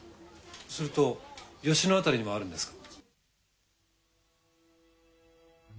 すると吉野辺りにもあるんですか？